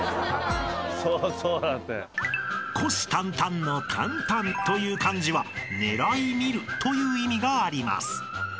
［虎視眈々の「眈々」という漢字は狙い見るという意味があります］